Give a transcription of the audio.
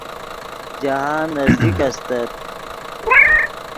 جاہند نزدیک استت